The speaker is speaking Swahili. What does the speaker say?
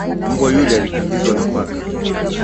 Mbwa yule alikimbizwa na paka